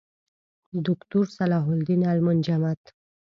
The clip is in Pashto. دوکتورصلاح الدین المنجد